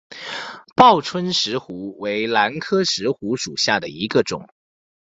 报春石斛为兰科石斛属下的一个种。